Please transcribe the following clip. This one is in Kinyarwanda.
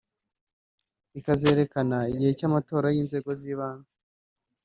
Ikazerekana igihe cy’amatora y’inzego z’ibanze